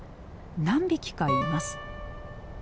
何匹かいます。